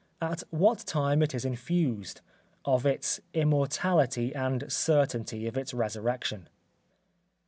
At what time it is infused. Of its immortality and certainty of its resurrection.